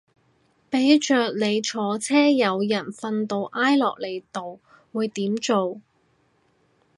俾着你坐車有人瞓到挨落你度會點做